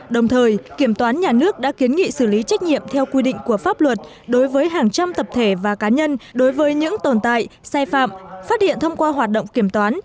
đồng thời kiểm toán nhà nước đã kiến nghị xử lý trách nhiệm theo quy định của pháp luật đối với hàng trăm tập thể và cá nhân đối với những tồn tại sai phạm phát hiện thông qua hoạt động kiểm toán